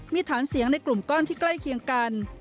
มีฐานเสียงในกลุ่มก้อนที่ใกล้เคียงกัน